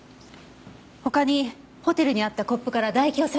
他にホテルにあったコップから唾液を採取しました。